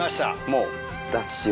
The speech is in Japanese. もう。